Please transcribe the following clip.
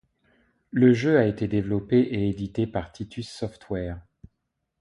Le jeu a été développé et édité par Titus Software.